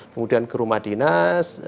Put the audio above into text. kemudian ke rumah dinas